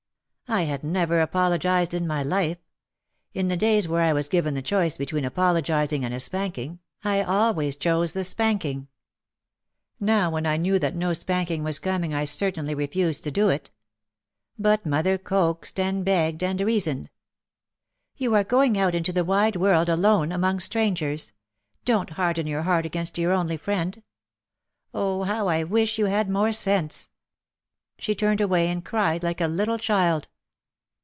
I had never apologised in my life. In the days when I was given the choice between apologising and a spank ing, I always chose the spanking. Now when I knew that no spanking was coming I certainly refused to do it. But mother coaxed and begged, and reasoned, "You are going out into the wide world alone, among strangers. Don't harden your heart against your only friend. Oh, how I wish you had more sense!" She turned away and cried like a little child.